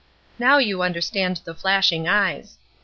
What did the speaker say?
Now you understand the flashing eyes.